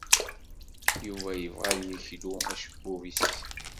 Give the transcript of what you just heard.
Yuba yebɣa ad yeklu acebbub-nnes.